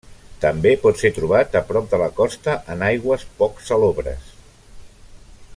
També pot ser trobat a prop de la costa en aigües poc salobres.